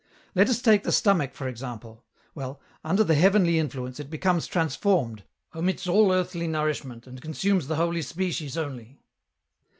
" Let us take the stomach for example. Well, under the heavenly influence, it becomes transformed, omits all earthly nourishment and consumes the Holy Species only.